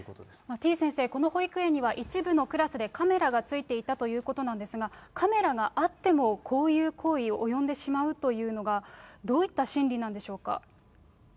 てぃ先生、この保育園には一部のクラスでカメラが付いていたということなんですが、カメラがあってもこういう行為に及んでしまうというのが、どういった心理なんでしょうか。